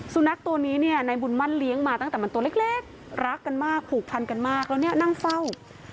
สุนัขตัวนี้เนี่ยนายบุญมั่นเลี้ยงมาตั้งแต่มันตัวเล็กรักกันมากผูกพันกันมากแล้วเนี่ยนั่งเฝ้า